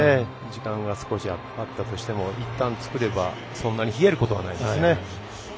時間が少しあったとしてもいったん作ればそんなに冷えることはないですね。